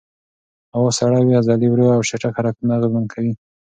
هوا سړه وي، عضلې ورو او چټک حرکتونه اغېزمن کوي.